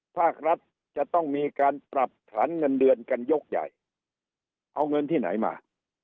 ภาครัฐจะต้องมีการปรับฐานเงินเดือนกันยกใหญ่เอาเงินที่ไหนมา